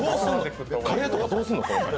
カレーとかどうすんの？